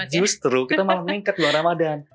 tapi justru kita malah meningkat bulan ramadhan